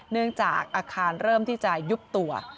เนื่องจากอาคารเริ่มที่จะยุบตัว